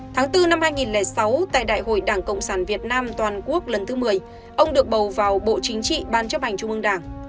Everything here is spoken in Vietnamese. tháng bốn năm hai nghìn sáu tại đại hội đảng cộng sản việt nam toàn quốc lần thứ một mươi ông được bầu vào bộ chính trị ban chấp hành trung ương đảng